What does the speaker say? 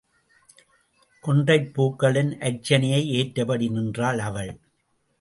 கொன்றைப் பூக்களின் அர்ச்சனையை ஏற்றபடி நின்றாள் அவள்.